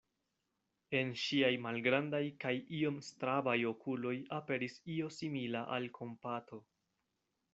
En ŝiaj malgrandaj kaj iom strabaj okuloj aperis io simila al kompato.